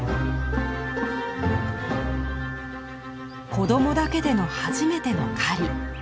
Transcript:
子供だけでの初めての狩り。